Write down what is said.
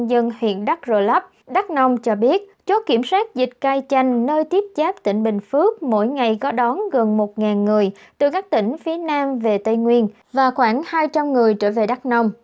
dân huyện đắk rơ lấp đắk nông cho biết chốt kiểm soát dịch cây chanh nơi tiếp giáp tỉnh bình phước mỗi ngày có đón gần một người từ các tỉnh phía nam về tây nguyên và khoảng hai trăm linh người trở về đắk nông